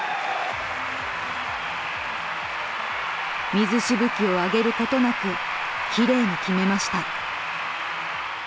水しぶきを上げることなくきれいに決めました。